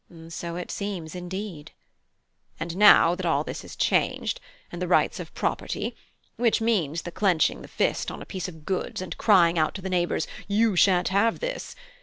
(I) So it seems, indeed. (H.) And now that all this is changed, and the "rights of property," which mean the clenching the fist on a piece of goods and crying out to the neighbours, You shan't have this!